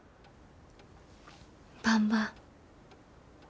ばんば。